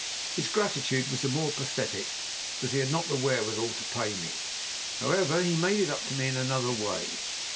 His gratitude was the more pathetic because he had not the wherewithal to pay me. However, he made it up to me in another way.